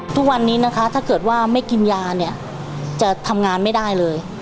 ทุกวันนี้นะคะถ้าเกิดว่าไม่กินยาเนี่ยจะทำงานไม่ได้เลย